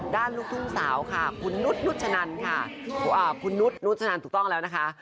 ลูกทุ่งสาวค่ะคุณนุษนุชนันค่ะคุณนุษนุชนันถูกต้องแล้วนะคะ